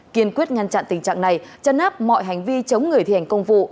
kiên quyết ngăn chặn tình trạng này chấn áp mọi hành vi chống người thi hành công vụ